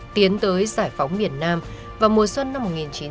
tiến tới giải phóng miền nam vào mùa xuân năm một nghìn chín trăm bảy mươi năm